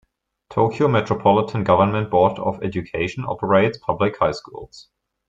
Tokyo Metropolitan Government Board of Education operates public high schools.